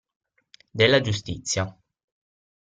Della giustizia.